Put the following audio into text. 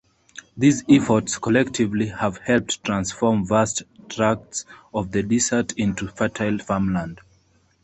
These efforts collectively have helped transform vast tracts of the desert into fertile farmland.